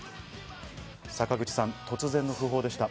坂口さん、突然の訃報でした。